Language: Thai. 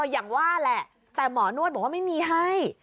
อย่างว่าแหละแต่หมอนวดบอกว่าไม่มีให้